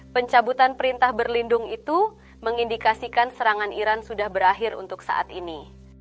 pencabutan perintah berlindung itu mengindikasikan serangan iran sudah berakhir untuk saat ini